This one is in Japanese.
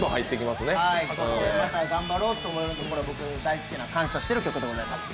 また頑張ろうと思える、大好きな感謝してる曲でございます。